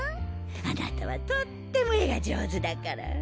あなたはとっても絵が上手だから。